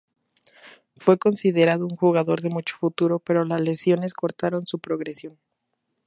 Fue considerado un jugador de mucho futuro, pero las lesiones cortaron su progresión.